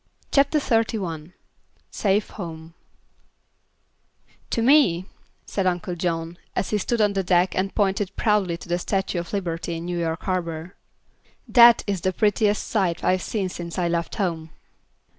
CHAPTER XXXI SAFE HOME "To me," said Uncle John, as he stood on the deck and pointed proudly to the statue of Liberty in New York harbor, "that is the prettiest sight I've seen since I left home."